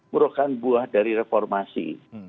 merokak buah dari reformasi